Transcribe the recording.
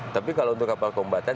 tapi kalau untuk kapal kombatan